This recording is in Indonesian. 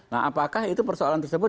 nah apakah itu persoalan tersebut